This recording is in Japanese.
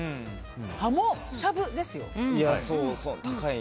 鱧しゃぶですよ。